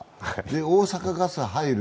大阪ガス入る